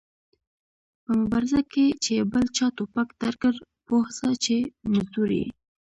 په مبارزه کې چې بل چا ټوپک درکړ پوه سه چې مزدور ېې